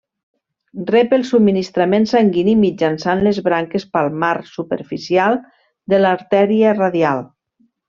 Rep el subministrament sanguini mitjançant les branques palmar superficial de l'artèria radial.